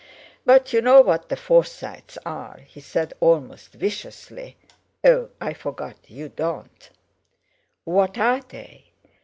"But you know what the Forsytes are," he said almost viciously. "Oh! I forgot; you don't." "What are they?"